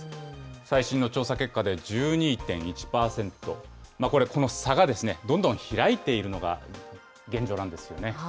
最新の調査結果で１２．１％、これ、この差がどんどん開いているのが現状なんですよね。